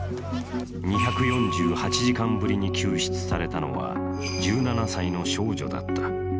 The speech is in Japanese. ２４８時間ぶりに救出されたのは１７歳の少女だった。